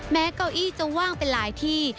แม้เก้าอี้จะว่างเป็นหลายที่